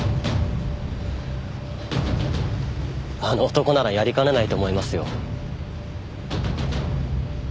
あの男ならやりかねないと思いますよ。